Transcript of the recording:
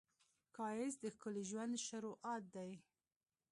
ښایست د ښکلي ژوند شروعات دی